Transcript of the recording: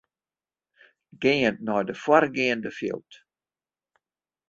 Gean nei de foargeande fjild.